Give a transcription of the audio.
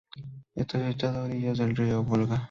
Está situado a orillas del río Volga.